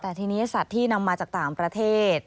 แต่ทีนี้สัตว์ที่นำมาจากต่างประเทศ